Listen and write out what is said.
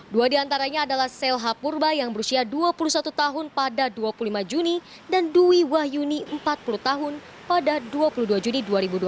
dua diantaranya adalah selha purba yang berusia dua puluh satu tahun pada dua puluh lima juni dan dwi wahyuni empat puluh tahun pada dua puluh dua juni dua ribu dua puluh